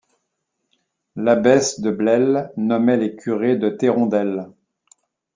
L'abbesse de Blesle nommait les curés de Thérondels.